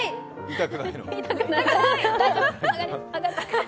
痛くない。